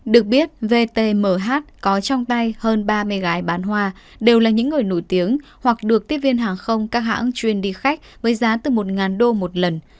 được biết vtmh có trong tay hơn ba mươi gái bán hoa đều là những người nổi tiếng hoặc được tiếp viên hàng không các hãng chuyên đi khách với giá từ một đô một lần